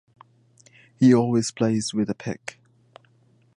He always plays with a pick.